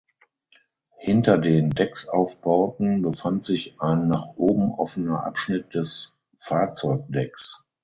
Hinter den Decksaufbauten befand sich ein nach oben offener Abschnitt des Fahrzeugdecks.